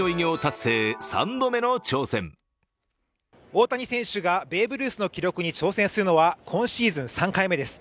大谷選手がベーブ・ルースの記録に挑戦するのは今シーズン３回目です。